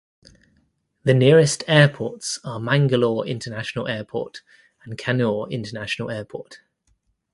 The nearest airports are Mangalore International Airport and Kannur International Airport.